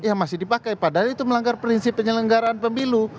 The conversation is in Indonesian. ya masih dipakai padahal itu melanggar prinsip penyelenggaraan pemilu